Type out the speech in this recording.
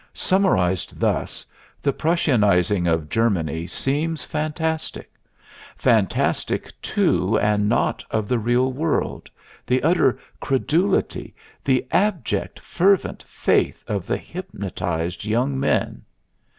Summarized thus, the Prussianizing of Germany seems fantastic; fantastic, too, and not of the real world, the utter credulity, the abject, fervent faith of the hypnotized young men.